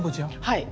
はい。